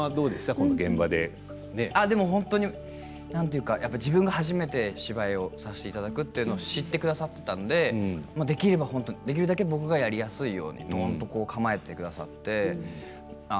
この現場で。なんていうか自分が初めて芝居をさせていただくというのを知ってくださっていたのでできるだけ僕がやりやすいようにどんと構えてくださって。